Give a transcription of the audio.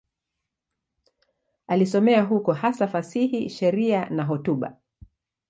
Alisomea huko, hasa fasihi, sheria na hotuba.